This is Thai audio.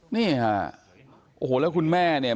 นี่ค่ะโอ้โหแล้วคุณแม่เนี่ย